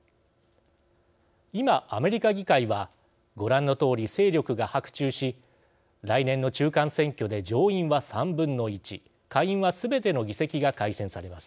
今、アメリカ議会はご覧のとおり勢力が伯仲し来年の中間選挙で上院は３分の１下院はすべての議席が改選されます。